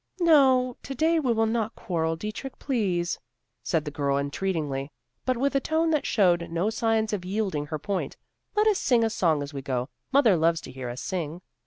"No; to day we will not quarrel, Dietrich, please;" said the girl entreatingly, but with a tone that showed no signs of yielding her point, "let us sing a song as we go; mother loves to hear us sing."